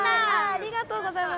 ありがとうございます。